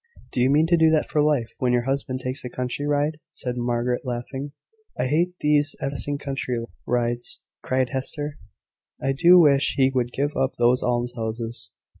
"Do you mean to do that for life, when your husband takes a country ride?" said Margaret, laughing. "I hate these everlasting country rides!" cried Hester. "I do wish he would give up those almshouses."